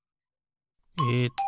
えっと